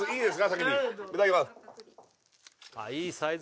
先にいただきます